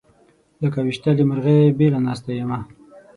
لکه ويشتلې مرغۍ بېله ناسته یمه